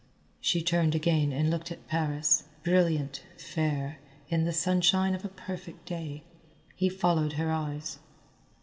She turned again and looked at Paris, brilliant, fair, in the sunshine of a perfect day. He followed her eyes.